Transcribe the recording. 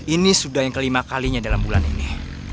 ini sudah yang kelima kalinya dalam bulan ini